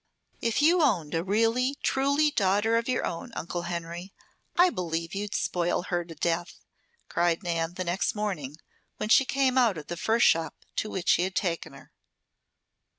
"If you owned a really, truly daughter of your own, Uncle Henry, I believe you'd spoil her to death!" cried Nan, the next morning, when she came out of the fur shop to which he had taken her.